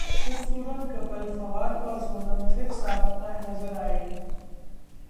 'खूबसूरत' कपल फवाद और सोनम फिर साथ नजर आए